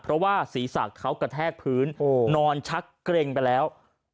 เพราะว่าศีรษะเขากระแทกพื้นนอนชักเกร็งไปแล้ว